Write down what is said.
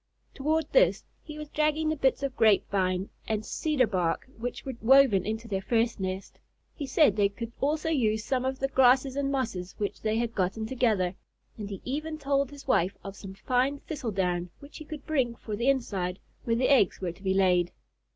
Toward this he was dragging the bits of grape vine and cedar bark which were woven into their first nest. He said they could also use some of the grasses and mosses which they had gotten together, and he even told his wife of some fine thistle down which he could bring for the inside, where the eggs were to be laid.